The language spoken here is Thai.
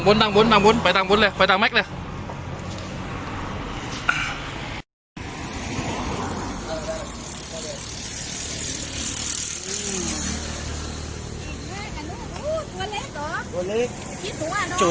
เกลียดในประกันโทรศาจ